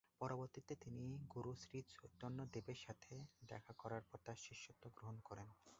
পরবর্তীতে তিনি গুরু শ্রীচৈতন্য দেবের সাথে দেখা করার পর তার শিষ্যত্ব গ্রহণ করেন।